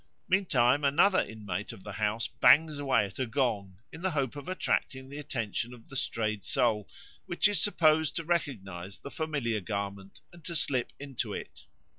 Meantime, another inmate of the house bangs away at a gong in the hope of attracting the attention of the strayed soul, which is supposed to recognise the familiar garment and to slip into it.